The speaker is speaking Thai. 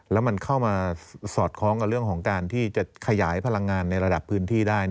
แล้วมันเข้ามาสอดคล้องกับเรื่องของการที่จะขยายพลังงานในระดับพื้นที่ได้